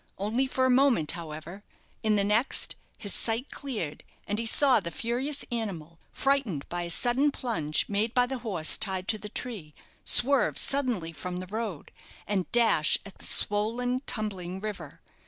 Only for a moment, however; in the next his sight cleared, and he saw the furious animal, frightened by a sudden plunge made by the horse tied to the tree, swerve suddenly from the road, and dash at the swollen, tumbling river.